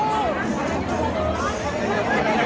สวัสดีครับ